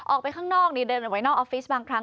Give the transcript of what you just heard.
ออกไปข้างนอกนี่เดินออกไปนอกออฟฟิศบางครั้ง